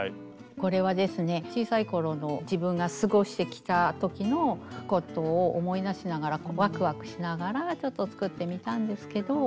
これはですね小さいころの自分が過ごしてきた時のことを思い出しながらワクワクしながらちょっと作ってみたんですけど。